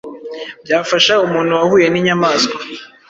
byafasha umuntu wahuye n’inyamaswa